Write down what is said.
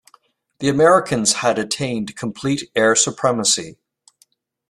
The Americans had attained complete air supremacy.